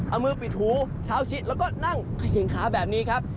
เอามือปิดหูเท้าชิดแล้วก็นั่งเข่งขาแบบนี้ครับ